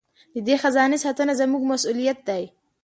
د دې خزانې ساتنه زموږ مسوولیت دی.